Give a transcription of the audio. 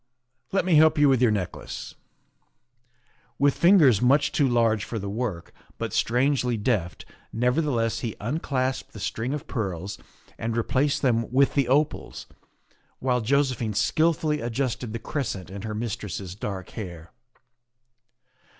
Let me help you with your necklace." With fingers much too large for the work, but strangely deft, nevertheless, he unclasped the string of pearls and replaced them with the opals, while Jose phine skilfully adjusted the crescent in her mistress's dark hair.